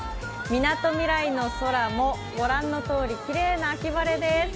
みなとみらいの空もご覧のとおりきれいな秋晴れです。